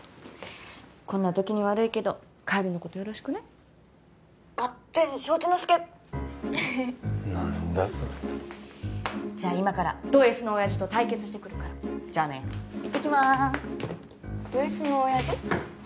こんな時に悪いけど浬のことよろしくねガッテン承知の助何だそれじゃ今からドＳの親父と対決してくるからじゃあね行ってきまーすドＳの親父？